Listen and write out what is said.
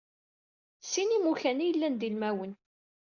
Sin imukan i yellan d ilmawen.